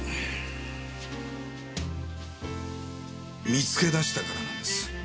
見つけ出したからなんです。